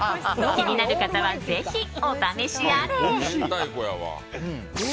気になる方はぜひお試しあれ。